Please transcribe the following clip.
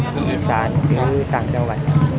และอีศาลด้วยหรือต่างจังหวัด